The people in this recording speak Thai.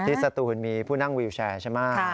สตูนมีผู้นั่งวิวแชร์ใช่ไหม